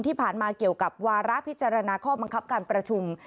ที่ผ่านมาเกี่ยวกับวาระพิจารณาข้อบังคับการประชุม